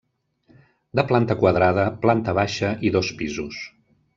De planta quadrada, planta baixa i dos pisos.